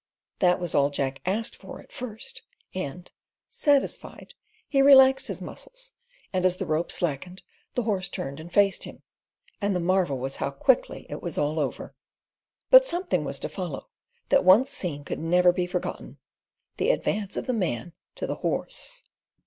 That was all Jack asked for at first, and, satisfied, he relaxed his muscles, and as the rope slackened the horse turned and faced him; and the marvel was how quickly it was all over. But something was to follow, that once seen could never be forgotten the advance of the man to the horse.